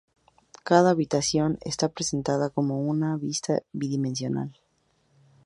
Cada habitación está presentada como una vista bidimensional.